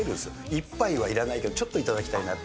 一杯はいらないけど、ちょっと頂きたいなって。